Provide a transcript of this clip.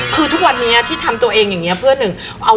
คือทุกวันนี้ที่ทำวันนี้เอาไว้หากินเราจะได้ไม่ต้องเพิ่งลูกเรา